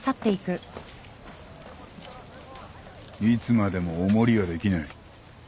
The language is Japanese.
いつまでもお守りはできない。